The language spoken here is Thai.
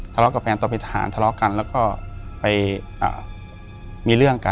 ทะเลาะกับแฟนตอนเป็นทหารทะเลาะกันแล้วก็ไปมีเรื่องกัน